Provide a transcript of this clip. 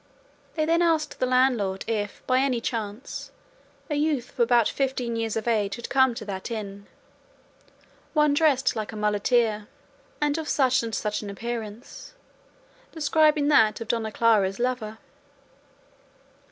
They then asked the landlord if by any chance a youth of about fifteen years of age had come to that inn, one dressed like a muleteer, and of such and such an appearance, describing that of Dona Clara's lover.